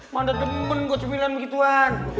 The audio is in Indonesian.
mana demen gua sembilan begituan